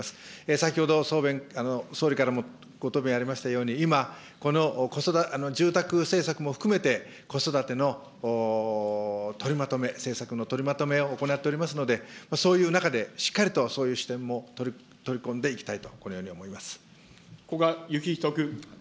先ほど総理からもご答弁ありましたように、今、この住宅政策も含めて、子育ての取りまとめ、政策の取りまとめを行っておりますので、そういう中でしっかりとそういう視点も取り込んでいきたいと、こ古賀之士君。